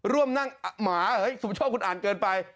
ร่วมนั่งหมาสุประโชคคุณอ่านเกินไป